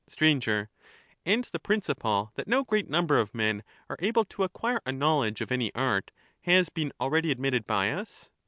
Sir, And the principle that no great number of men are able to acquire a knowledge of any art has been already admitted by us.